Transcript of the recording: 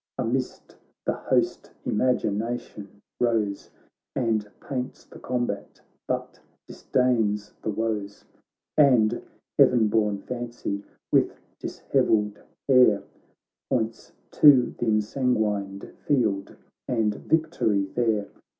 Amidst the host imagination rose And paints the combat, but disdains the woes. And heaven born fancy, with dishevelled hair, Points to the ensanguined field, and victory there.